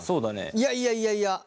いやいやいやいや。